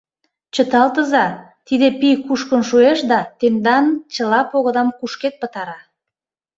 — Чыталтыза, тиде пий кушкын шуэш да тендан чыла погыдам кушкед пытара.